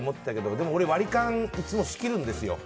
でも俺ワリカンいつも仕切るんですよ。